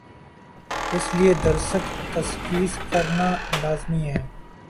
اس لئے درست تشخیص کرنالازمی ہے۔